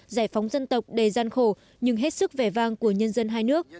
giải phóng dân tộc đầy gian khổ nhưng hết sức vẻ vang của nhân dân hai nước